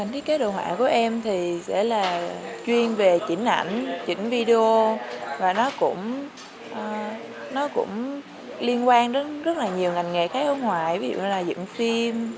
thiết kế đồ họa của em thì sẽ là chuyên về chỉnh ảnh chỉnh video và nó cũng liên quan đến rất là nhiều ngành nghề khác ở ngoài ví dụ như là dựng phim